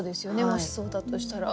もしそうだとしたら。